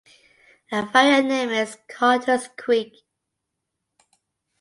A variant name is "Carters Creek".